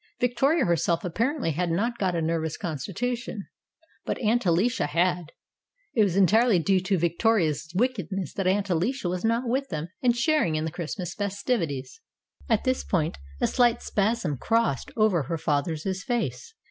Victoria herself apparently had not got a nervous constitution, but Aunt Alicia had. It was entirely due to Victoria's wickedness that Aunt Alicia was not with them and sharing in the Christmas festivities. At this point a slight spasm crossed over her father's face.